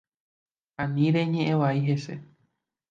Ani reñe’ẽ vai hese.